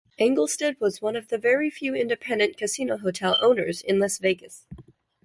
Engelstad was one of the very few independent casino-hotel owners in Las Vegas.